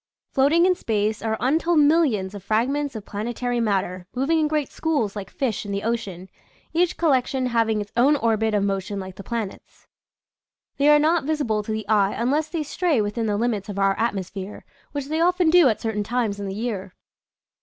Floating in space are untold millions of fragments of planetary mat (~~ j , Original from :l< ~ UNIVERSITY OF WISCONSIN Generation ot Deat. 137 tor moving in great schools like fish in the ocean, each collection having its own orbit of motion like the planets. They are not visi ble to the eye unless they stray within the limits of our atmosphere, which they often do at certain times in the year.